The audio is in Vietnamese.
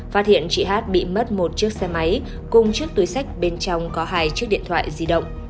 phát hiện chị hát bị mất một chiếc xe máy cùng chiếc túi sách bên trong có hai chiếc điện thoại di động